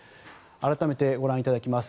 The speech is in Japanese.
改めてご覧いただきます。